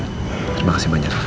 terima kasih banyak